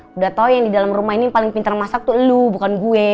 sudah tahu yang di dalam rumah ini yang paling pintar masak itu elu bukan gue